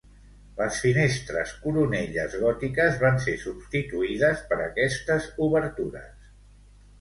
Les finestres coronelles gòtiques van ser substituïdes per aquestes obertures.